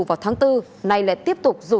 vào tháng bốn nay lại tiếp tục rủ